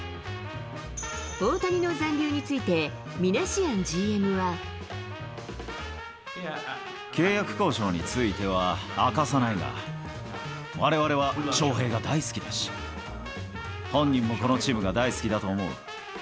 大谷の残留について、契約交渉については明かさないが、われわれはショウヘイが大好きだし、本人もこのチームが大好きだと思う。